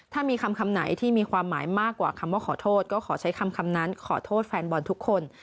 ถ้ามีคำไหนที่มีความหมายมากกว่าคำว่าขอโทษก็ขอใช้คำนั้นขอโทษแฟนบอลทุกคน